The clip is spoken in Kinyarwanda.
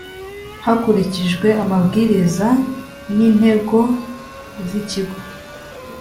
hakurikijwe amabwiriza n intego z ikigo